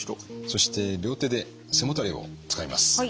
そして両手で背もたれをつかみます。